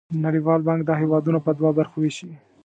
نړیوال بانک دا هېوادونه په دوه برخو ویشي.